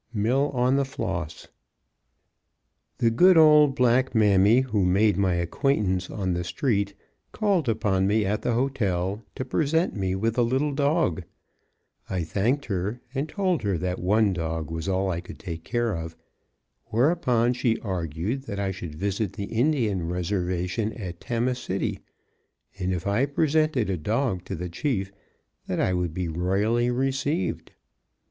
Mill on the Floss. The good old black mammy, who made my acquaintance on the street, called upon me at the hotel to present me with a little dog. I thanked her, and told her that one dog was all I could take care of; whereupon she argued that I should visit the Indian Reservation at Tama City, and if I presented a dog to the Chief that I would be royally received.